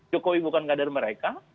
jokowi bukan kader mereka